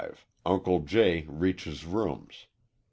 Uncle J. reaches rooms.